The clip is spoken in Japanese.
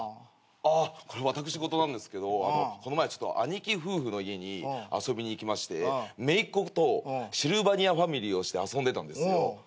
あっこれ私事なんですけどこの前兄貴夫婦の家に遊びに行きましてめいっ子とシルバニアファミリーをして遊んでたんですよ。